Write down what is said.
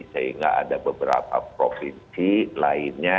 sehingga ada beberapa provinsi lainnya